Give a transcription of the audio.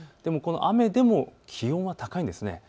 雨でも気温は高いんです。